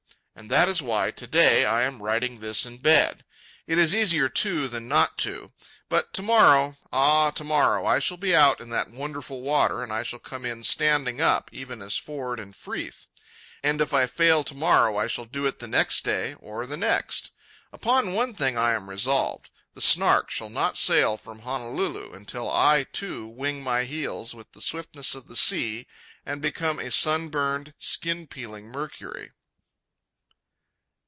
And that is why, to day, I am writing this in bed. It is easier to than not to. But to morrow, ah, to morrow, I shall be out in that wonderful water, and I shall come in standing up, even as Ford and Freeth. And if I fail to morrow, I shall do it the next day, or the next. Upon one thing I am resolved: the Snark shall not sail from Honolulu until I, too, wing my heels with the swiftness of the sea, and become a sun burned, skin peeling Mercury.